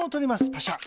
パシャ。